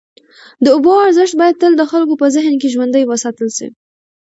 د اوبو ارزښت باید تل د خلکو په ذهن کي ژوندی وساتل سي.